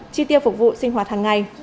chi tiêu phục vụ sinh hoạt hàng ngày